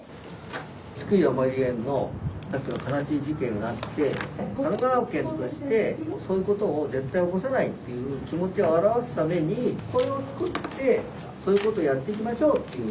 津久井やまゆり園の悲しい事件があって神奈川県としてそういうことを絶対起こさないっていう気持ちを表すためにこれを作ってそういうことをやっていきましょうっていうことでね。